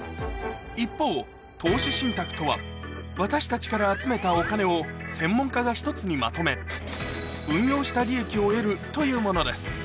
一方投資信託とは私たちから集めたお金を専門家が１つにまとめ運用した利益を得るというものです